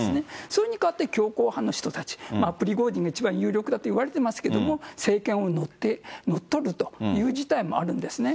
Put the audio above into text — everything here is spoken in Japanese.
それに代わって、強硬派の人たち、プリゴジンが一番有力だといわれてますけども、政権を乗っ取るという事態もあるんですね。